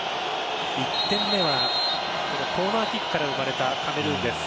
１点目はコーナーキックから生まれたカメルーンです。